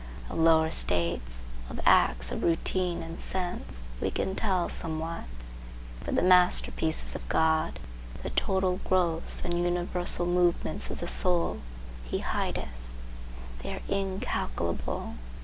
Of lower states, of acts of routine and sense, we can tell somewhat; but the masterpieces of God, the total growths and universal movements of the soul, he hideth; they are incalculable.